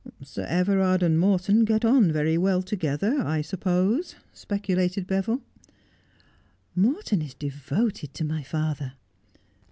' Sir Everard and Morton get on very well together, I sup pose,' speculated Beville. ' Morton is devoted to my father.'